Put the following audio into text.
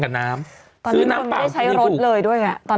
ตอนนี้คนไม่ได้ใช้รถเลยด้วยอ่ะ